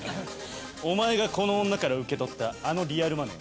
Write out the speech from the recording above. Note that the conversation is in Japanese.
お前がこの女から受け取ったあのリアルマネー